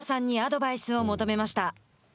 早速、黒田さんにアドバイスを求めました。